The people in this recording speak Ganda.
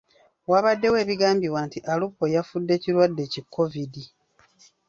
Wabaddewo ebigambibwa nti Alupo yafudde kirwadde ki Kovidi.